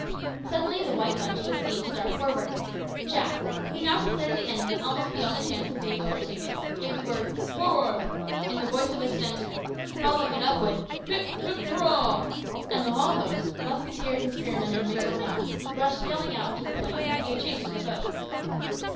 Suddenly the white bunch was seen to dart forward. Jack, who now considered the enemy almost beyond the chance of being overtaken, gave the word, "Forward!" in the voice of a Stentor, following it up with "Hip, hip, hurrah!" and the whole host, musketeers and spearmen in a mingled mass, rushed yelling out upon the plain, and gave chase to the foe.